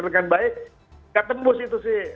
dengan baik gak tembus itu sih